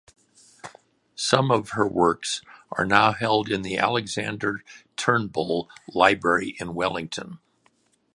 Some of her works are now held in the Alexander Turnbull Library in Wellington.